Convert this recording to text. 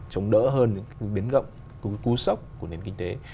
chống đỡ hơn biến gậm cú sốc của nền kinh tế